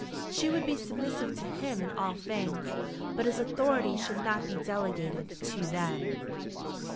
She would be submissive to him in all things, but his authority should not be delegated to them.